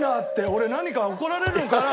俺何か怒られるのかな？